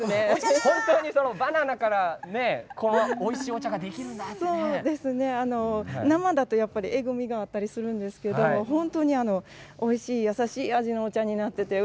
本当にバナナからこんなおいしいお茶が生だとえぐみがあったりするんですけど本当においしいおいしい味のお茶